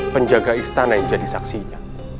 penjaga istana yang jadi saksinya